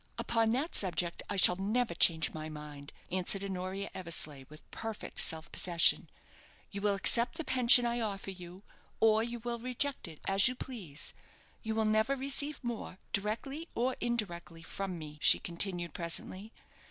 "Upon that subject I shall never change my mind," answered Honoria Eversleigh, with perfect self possession. "You will accept the pension I offer you, or you will reject it, as you please you will never receive more, directly or indirectly, from me," she continued, presently.